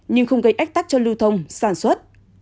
nhưng không gây ách tắc cho lưu thông sản xuất